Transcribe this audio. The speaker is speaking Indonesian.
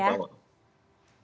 ya selalu bangun